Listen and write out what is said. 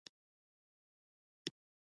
لمر د ځمکې د تودوخې اساسي سرچینه ده.